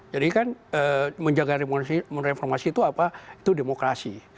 jadi kan menjaga reformasi itu apa itu demokrasi